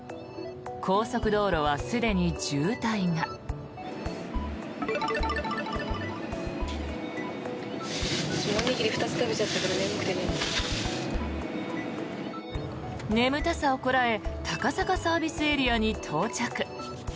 高速道路はすでに渋滞が。眠たさをこらえ高坂ＳＡに到着。